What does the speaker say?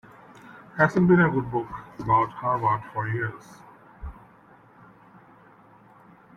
Hasn't been a good book about Harvard for years.